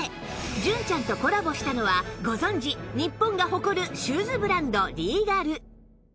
純ちゃんとコラボしたのはご存じ日本が誇るシューズブランドリーガル